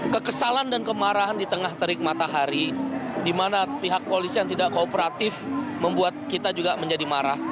kekesalan dan kemarahan di tengah terik matahari di mana pihak polisi yang tidak kooperatif membuat kita juga menjadi marah